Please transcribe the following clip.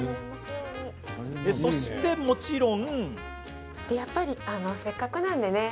そして、もちろん。